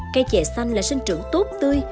cây chè xanh là sinh trưởng tốt tươi